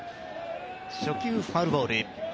初球、ファウルボール。